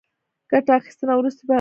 ګټه اخیستنه وروستی پړاو دی